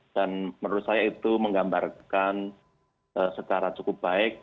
dan menurut saya itu menggambarkan secara cukup baik